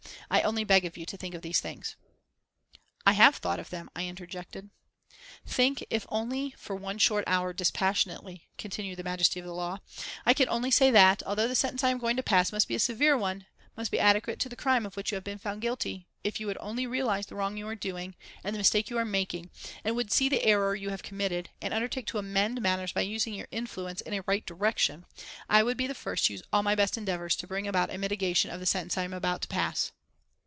I only beg of you to think of these things." "I have thought of them," I interjected. "Think, if only for one short hour, dispassionately," continued the majesty of law, "I can only say that, although the sentence I am going to pass must be a severe one, must be adequate to the crime of which you have been found guilty, if you would only realise the wrong you are doing, and the mistake you are making, and would see the error you have committed, and undertake to amend matters by using your influence in a right direction, I would be the first to use all my best endeavours to bring about a mitigation of the sentence I am about to pass.